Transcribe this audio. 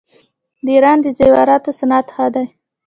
د ایران د زیوراتو صنعت ښه دی.